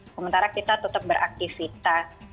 sementara kita tetap beraktifitas